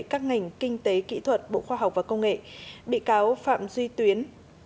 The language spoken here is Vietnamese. các ngành kinh tế kỹ thuật bộ khoa học và công nghệ bị cáo phạm duy tuyến